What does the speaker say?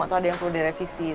atau ada yang perlu direvisi